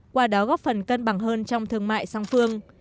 qua đó góp phần cân bằng hơn trong thương mại song phương